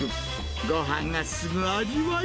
ごはんが進む味わい。